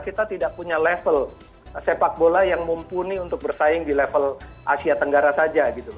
kita tidak punya level sepak bola yang mumpuni untuk bersaing di level asia tenggara saja